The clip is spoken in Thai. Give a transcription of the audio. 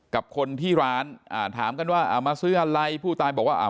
กับคนที่ร้านอ่าถามกันว่าอ่ามาซื้ออะไรผู้ตายบอกว่าอ่า